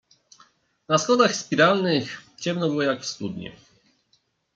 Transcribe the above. "Na schodach spiralnych ciemno było jak w studni."